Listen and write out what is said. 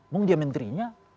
mau dia menterinya